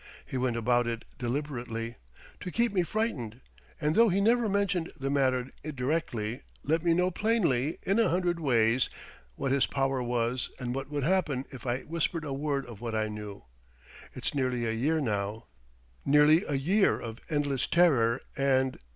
He went about it deliberately; to keep me frightened, and though he never mentioned the matter directly, let me know plainly, in a hundred ways, what his power was and what would happen if I whispered a word of what I knew. It's nearly a year now nearly a year of endless terror and..."